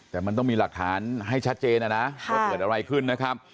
แต่มันต้องมีหลักฐานให้ชัดเจนนะนะว่าเกิดอะไรขึ้นนะครับ